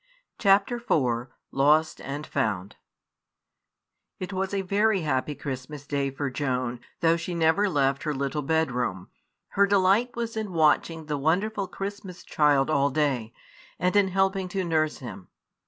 CHAPTER IV LOST AND FOUND It was a very happy Christmas Day for Joan, though she never left her little bedroom. Her delight was in watching the wonderful Christmas child all day, and in helping to nurse him.